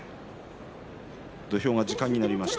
土俵が時間になりました。